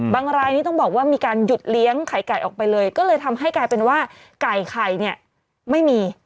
รายนี้ต้องบอกว่ามีการหยุดเลี้ยงไข่ไก่ออกไปเลยก็เลยทำให้กลายเป็นว่าไก่ไข่เนี่ยไม่มี